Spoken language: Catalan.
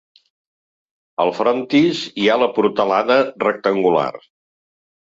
Al frontis hi ha la portalada, rectangular.